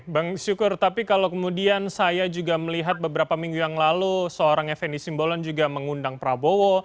bang syukur tapi kalau kemudian saya juga melihat beberapa minggu yang lalu seorang fnd simbolon juga mengundang prabowo